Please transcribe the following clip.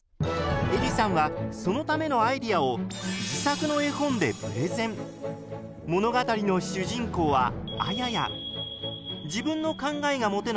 えりさんはそのためのアイデアを自作の物語の主人公はあやや。